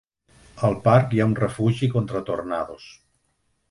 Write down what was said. Al parc hi ha un refugi contra tornados.